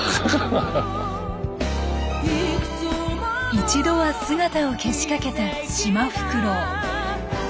一度は姿を消しかけたシマフクロウ。